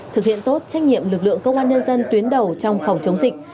thực hiện tốt trách nhiệm lực lượng công an nhân dân tuyến đầu trong phòng chống dịch